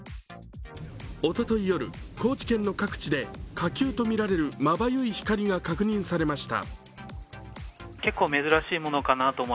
おととい夜、高知県の各地で火球とみられるまばゆい光が確認されました。